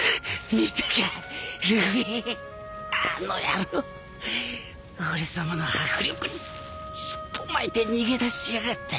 あの野郎俺さまの迫力に尻尾巻いて逃げ出しやがった。